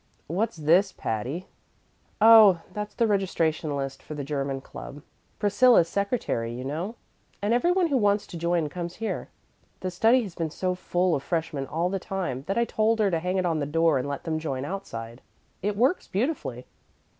"What's this, Patty?" "Oh, that's the registration list for the German Club. Priscilla's secretary, you know, and every one who wants to join comes here. The study has been so full of freshmen all the time that I told her to hang it on the door and let them join outside; it works beautifully."